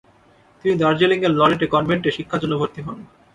তিনি দার্জিলিংয়ের লরেটে কনভেন্টে শিক্ষার জন্যে ভর্তি হন।